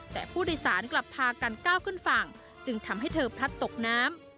แต่ผู้โดยสารกลับพากันก้าวขึ้นฝั่งจึงทำให้เธอพลัดตกน้ำ